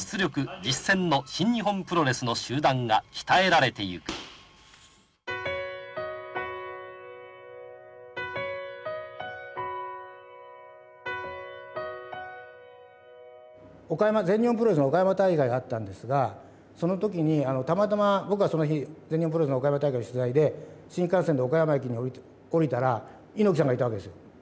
・実践の新日本プロレスの集団が鍛えられてゆく全日本プロレスの岡山大会があったんですがその時にたまたまぼくはその日全日本プロレスの岡山大会の取材で新幹線で岡山駅に降りたら猪木さんがいたわけですよ。